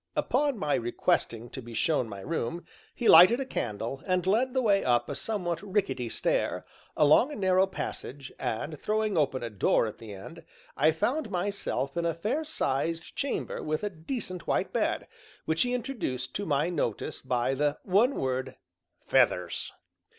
Upon my requesting to be shown my room, he lighted a candle, and led the way up a somewhat rickety stair, along a narrow passage, and throwing open a door at the end, I found myself in a fair sized chamber with a decent white bed, which he introduced to my notice by the one word, "feathers."